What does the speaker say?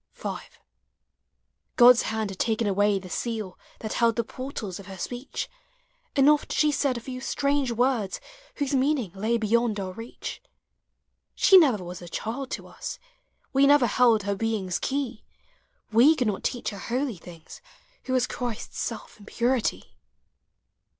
v. God's hand had taken away the seal That held the portals of her speech ; And oft she said a few strange words Whose meaning lay beyond our reach. She never was a child to us, We never held her being's key; He could not teach her holy things Who was Christ's self in purity.